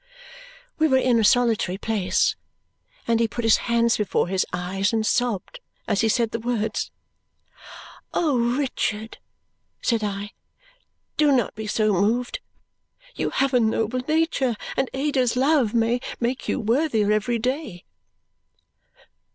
We were in a solitary place, and he put his hands before his eyes and sobbed as he said the words. "Oh, Richard!" said I. "Do not be so moved. You have a noble nature, and Ada's love may make you worthier every day."